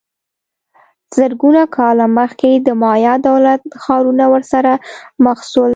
زرګونه کاله مخکې د مایا دولت ښارونه ورسره مخ سول